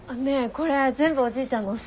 これ全部おじいちゃんの教え子？